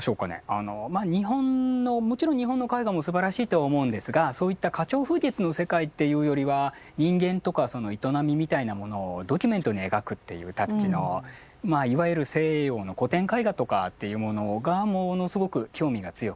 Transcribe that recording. あの日本のもちろん日本の絵画もすばらしいと思うんですがそういった花鳥風月の世界っていうよりは人間とかその営みみたいなものをドキュメントに描くっていうタッチのいわゆる西洋の古典絵画とかっていうものがものすごく興味が強くて。